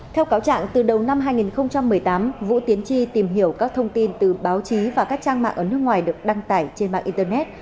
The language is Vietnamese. theo cáo trạng từ đầu năm hai nghìn một mươi tám vũ tiến tri tìm hiểu các thông tin từ báo chí và các trang mạng ở nước ngoài được đăng tải trên mạng internet